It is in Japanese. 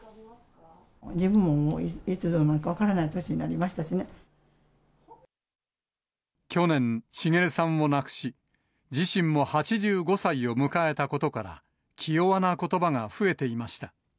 自分もいつどうなるか分から去年、滋さんを亡くし、自身も８５歳を迎えたことから、気弱なことばが増えていました。